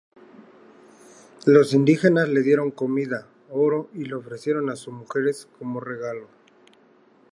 Los indígenas le dieron comida, oro y le ofrecieron a sus mujeres como regalos.